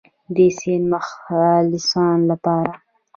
د سید مخلصانو لپاره.